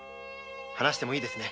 話してもいいですね。